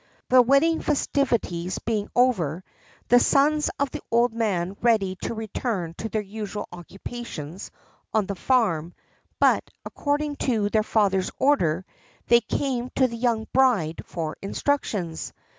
The wedding festivities being over, the sons of the old man made ready to return to their usual occupations on the farm; but, according to their father's order, they came to the young bride for instructions.